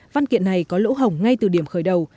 văn kiện này có lỗ hỏng ngay từ điểm khởi đầu